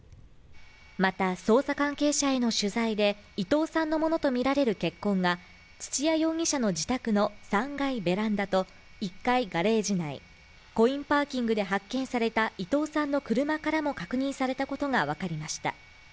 また捜査関係者への取材で、伊藤さんのものとみられる血痕が土屋容疑者の自宅の３階ベランダと１階ガレージ内コインパーキングで発見された伊藤さんの車からも確認されたことがわかりました。